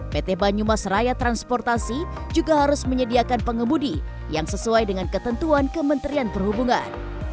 pt banyumas raya transportasi juga harus menyediakan pengemudi yang sesuai dengan ketentuan kementerian perhubungan